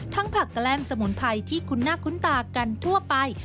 ทั้งผักแกรมสมุนไพรที่คุณหน้าคุณตากันทั่วไป